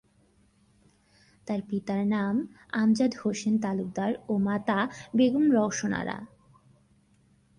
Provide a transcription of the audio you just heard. তার পিতার নাম আমজাদ হোসেন তালুকদার ও মাতা বেগম রওশন আরা।